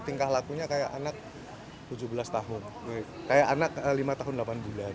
tingkah lakunya kayak anak tujuh belas tahun kayak anak lima tahun delapan bulan